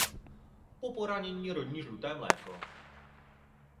Po poranění roní žluté mléko.